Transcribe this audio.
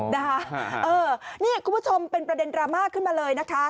นะคะนี่คุณผู้ชมเป็นประเด็นดราม่าขึ้นมาเลยนะคะ